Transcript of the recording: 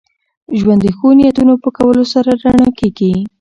ژوند د ښو نیتونو په کولو سره رڼا کېږي.